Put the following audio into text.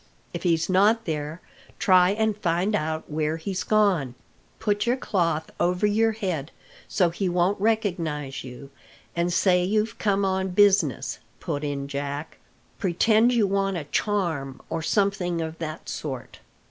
If he's not there, try and find out where he's gone." "Put your cloth over your head so he won't recognise you, and say you've come on business," put in Jack. "Pretend you want a charm, or something of that sort."